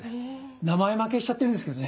名前負けしちゃってるんですけどね。